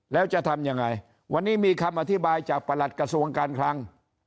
แล้วจะทำยังไงวันนี้มีคำอธิบายจากประหลัดกระทรวงการคลัง